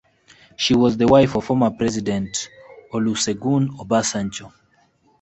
She was the wife of former president Olusegun Obasanjo.